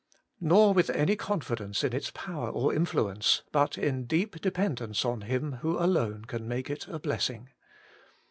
Nor with any confidence in its power or influence, but in deep dependence on Him who alone can make it a blessing.